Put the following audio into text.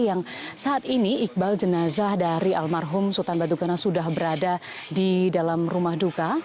yang saat ini iqbal jenazah dari almarhum sultan batu gana sudah berada di dalam rumah duka